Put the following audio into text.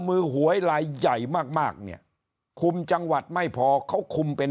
หวยลายใหญ่มากมากเนี่ยคุมจังหวัดไม่พอเขาคุมเป็น